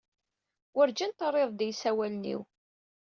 Werǧin terriḍ-d i yisawalen-iw.